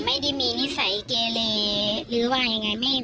ไม่ได้มีนิสัยเกเลหรือว่ายังไง